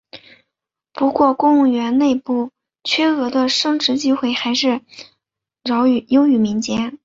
不过公务员内部缺额的升职机会还是优于民间。